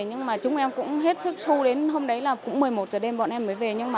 nhưng mà chúng em cũng hết sức thu đến hôm đấy là cũng một mươi một giờ đêm bọn em mới về